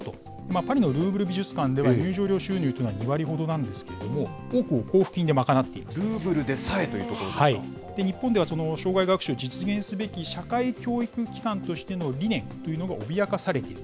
パリのルーブル美術館では、入場料収入は２割ほどなんですけれどルーブルでさえというところ日本では生涯学習を実現すべき社会教育機関としての理念というのが脅かされていると。